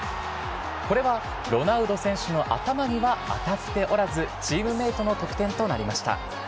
これは、ロナウド選手の頭には当たっておらず、チームメイトの得点となりました。